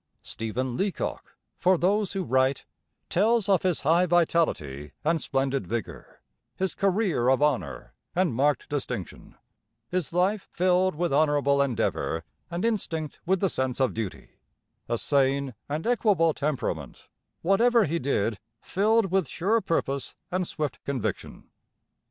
Stephen Leacock, for those who write, tells of his high vitality and splendid vigour his career of honour and marked distinction his life filled with honourable endeavour and instinct with the sense of duty a sane and equable temperament whatever he did, filled with sure purpose and swift conviction.